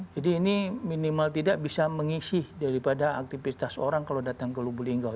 jadi ini minimal tidak bisa mengisi daripada aktivitas orang kalau datang ke lubu linggau